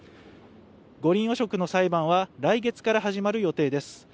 五輪汚職の裁判は来月から始まる予定です。